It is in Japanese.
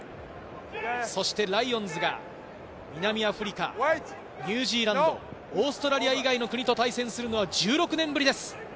そしてライオンズが南アフリカ、ニュージーランド、オーストラリア以外の国と対戦するのは１６年ぶりです。